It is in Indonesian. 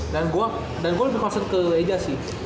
dan gua lebih concern ke eja sih